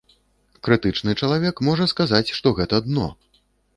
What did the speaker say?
Крытычны чалавек можа сказаць, што гэта дно.